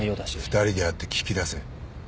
２人で会って聞き出せ。